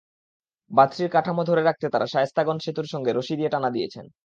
বাঁধটির কাঠামো ধরে রাখতে তাঁরা শায়েস্তাগঞ্জ সেতুর সঙ্গে রশি দিয়ে টানা দিয়েছেন।